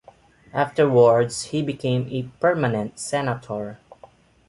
Afterwards he became a permanent senator.